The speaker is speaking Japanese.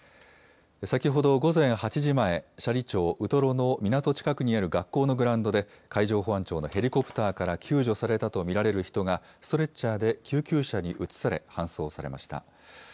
先ほど午前８時前、斜里町ウトロの港近くにある学校のグラウンドで、海上保安庁のヘリコプターから救助されたと見られる人が、ストレッチャーで救急車に移され、搬送されました。